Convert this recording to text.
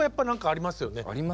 ありますよね。